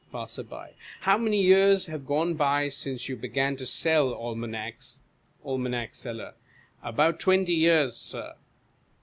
Passer. How many years have gone by since you began to sell almanacs ? Aim. Seller. About twenty years. Sir.